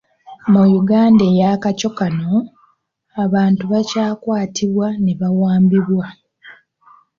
Mu Uganda eya kaco kano, abantu bakyakwatibwa ne bawambibwa.